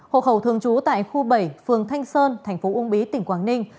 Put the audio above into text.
hộ khẩu thường trú tại khu bảy phường thanh sơn tp ung bí tp quảng ninh